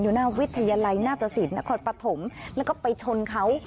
อยู่หน้าวิทยาลัยหน้าตระสิทธิ์นครปฐมแล้วก็ไปชนเขา